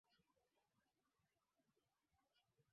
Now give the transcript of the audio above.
Umesikia wapi anakula kwa mama yake?